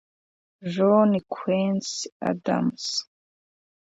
John Quincy Adams